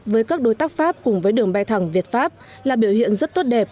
với các đối tác pháp cùng với đường bay thẳng việt pháp là biểu hiện rất tốt đẹp